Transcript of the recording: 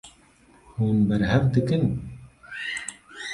Hûn berhev dikin.